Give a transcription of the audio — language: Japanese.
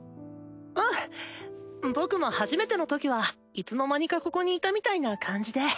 ウン僕も初めての時はいつの間にかここにいたみたいな感じで。